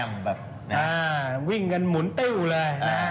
อ้าววิ่งกันหมุนติ้วเลยนะ